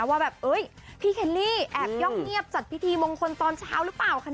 แล้วดูว่าแบบพี่เคลี่แอบย่องเงียบจัดพิธีมงคลตอนเช้าฮึกเปล่า